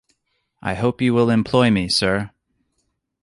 I hope you will employ me, sir.